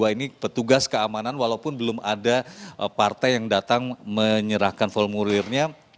ini petugas keamanan walaupun belum ada partai yang datang menyerahkan formulirnya